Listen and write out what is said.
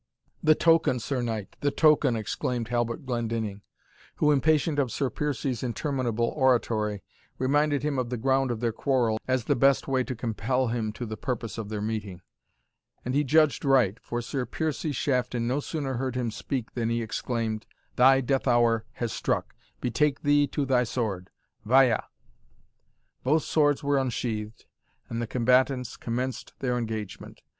"The token, Sir Knight, the token!" exclaimed Halbert Glendinning, who, impatient of Sir Piercie's interminable oratory, reminded him of the ground of their quarrel, as the best way to compel him to the purpose of their meeting. And he judged right; for Sir Piercie Shafton no sooner heard him speak, than he exclaimed, "Thy death hour has struck betake thee to thy sword Via!" Both swords were unsheathed, and the combatants commenced their engagement.